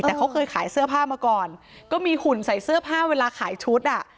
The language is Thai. แต่เขาเคยขายเสื้อผ้ามาก่อนก็มีหุ่นใส่เสื้อผ้าเวลาขายชุดอ่ะ